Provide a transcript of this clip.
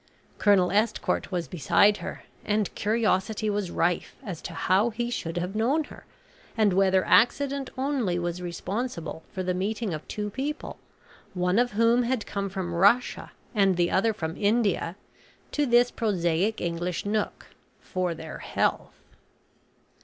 Colonel Estcourt was beside her, and curiosity was rife as to how he should have known her, and whether accident only was responsible for the meeting of two people, one of whom had come from Russia, and the other from India, to this prosaic English nook, for their health.